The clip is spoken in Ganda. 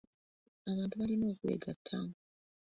Abantu balina okwegatta.